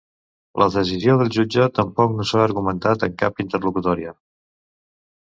La decisió del jutge tampoc no s’ha argumentat en cap interlocutòria.